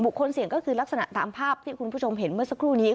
เสี่ยงก็คือลักษณะตามภาพที่คุณผู้ชมเห็นเมื่อสักครู่นี้